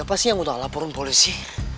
apa sih yang udah laporin polisi